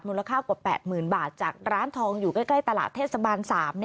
กว่า๘๐๐๐บาทจากร้านทองอยู่ใกล้ตลาดเทศบาล๓